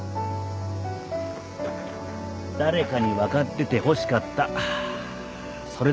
誰かに分かっててほしかったそれだけ。